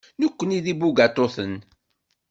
Nekkni d ibugaṭuten.